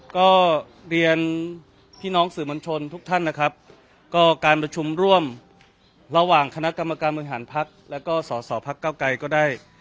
ก็เรียนพี่น้องสื่อมวลชนทุกท่านนะครับก็การประชุมร่วมระหว่างคณะกรรมการบริหารพักแล้วก็สอสอพักเก้าไกรก็ได้